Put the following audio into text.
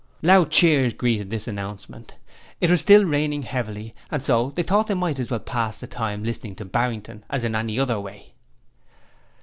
Loud cheers greeted this announcement. It was still raining heavily, so they thought they might as well pass the time listening to Barrington as in any other way.